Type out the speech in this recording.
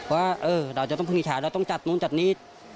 ว่าเออเราจะต้องพึงอิฉาเราต้องจัดนู้นจัดนี้